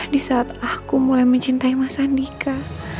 di saat aku mulai mencintai mas andika